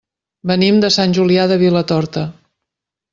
Venim de Sant Julià de Vilatorta.